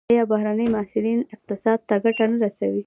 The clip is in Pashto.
آیا بهرني محصلین اقتصاد ته ګټه نه رسوي؟